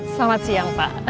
selamat siang pak